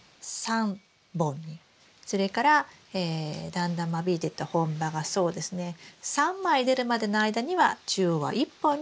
それからだんだん間引いてった本葉が３枚出るまでの間には中央は１本にしてほしいんです。